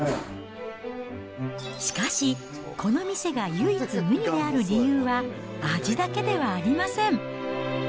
しかし、この店が唯一無二である理由は、味だけではありません。